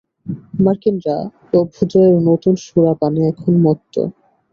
মার্কিনরা অভ্যুদয়ের নূতন সুরাপানে এখন মত্ত।